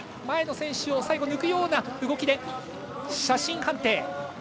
前の選手を最後抜くような動きで写真判定。